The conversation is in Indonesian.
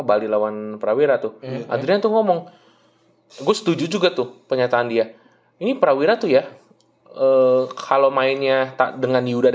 jadi satu satunya tim yang